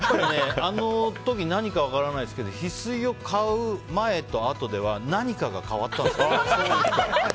あの時何か分からないですけどヒスイを買う前とあとでは何かが変わったんです。